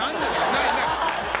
ないない。